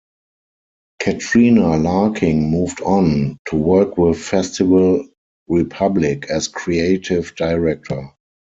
Katrina Larkin moved on to work with Festival Republic as creative director.